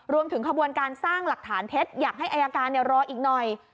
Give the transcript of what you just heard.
รวมถึงขบวนการสร้างหลักฐานเพชรอยากให้อายการเนี่ยรออีกหน่อย